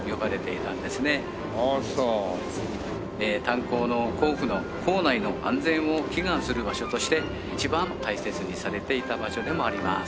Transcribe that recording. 炭鉱の坑夫の坑内の安全を祈願する場所として一番大切にされていた場所でもあります。